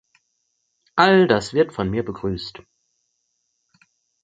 All das wird von mir begrüßt.